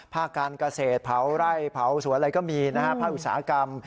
การเกษตรเผาไร่เผาสวนอะไรก็มีนะฮะภาคอุตสาหกรรม